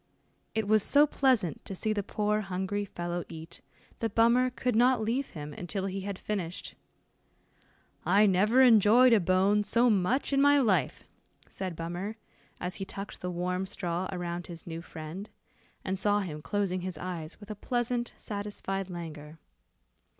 It was so pleasant to see the poor hungry fellow eat, that Bummer could not leave him until he had finished. "I never enjoyed a bone so much in my life," said Bummer, as he tucked the warm straw around his new friend, and saw him closing his eyes with a pleasant satisfied languor.